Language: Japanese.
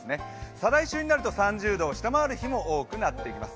再来週になると３０度を下回る日も多くなってきます。